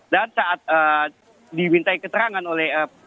dan saat diminta keterangan oleh polresnya